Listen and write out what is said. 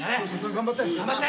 頑張って。